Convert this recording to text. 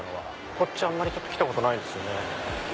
こっちあんまり来たことないんですよね。